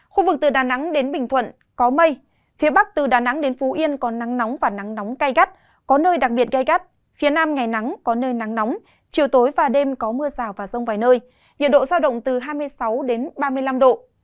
khu vực từ đà nẵng đến bình thuận có mây phía bắc từ đà nẵng đến phú yên có nắng nóng và nắng nóng cay gắt có nơi đặc biệt gai gắt phía nam ngày nắng có nơi nắng nóng chiều tối và đêm có mưa rào và rông vài nơi nhiệt độ giao động từ hai mươi sáu ba mươi năm độ